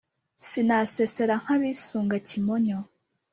Sinasesera nk'abisunga Kimonyo